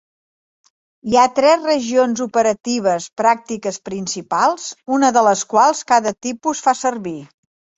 Hi ha tres regions operatives pràctiques principals, una de les quals cada tipus fa servir.